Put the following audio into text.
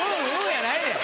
やないねん！